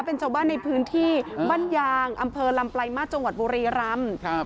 เป็นเจ้าบ้านในพื้นที่บั้นยางอำเภอลำปลายมาจงหวัดบุรีรำ